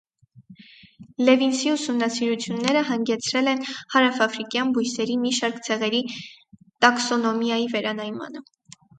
Լևինսի ուսումնասիրությունները հանգեցրել են հարավաֆրիկյան բույսերի մի շարք ցեղերի տաքսոնոմիայի վերանայմանը։